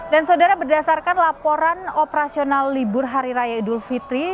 dan saudara berdasarkan laporan operasional libur hari raya idul fitri